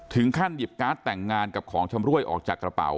ถึงขั้นหยิบการ์ดแต่งงานกับของชำรวยออกจากกระเป๋า